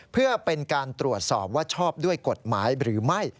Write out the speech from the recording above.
เพื่อเป็นการตรวจสอบว่าชอบด้วยกฎหมายหรือไม่